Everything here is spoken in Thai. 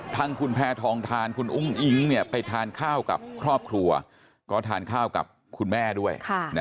ทั้งคุณแพทองทานคุณอุ้งอิ๊งไปทานข้าวกับครอบครัวก็ทานข้าวกับคุณแม่ด้วย